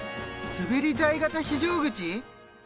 滑り台型非常口？